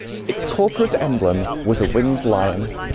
Its corporate emblem was a winged lion.